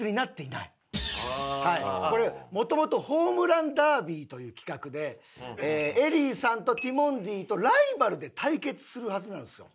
これ元々ホームランダービーという企画でＥＬＬＹさんとティモンディとライバルで対決するはずなんですよ。